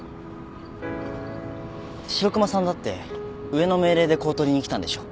白熊さんだって上の命令で公取に来たんでしょ？